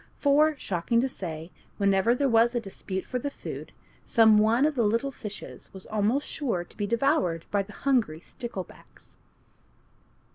For, shocking to say, whenever there was a dispute for the food, some one of the little fishes was almost sure to be devoured by the hungry sticklebacks.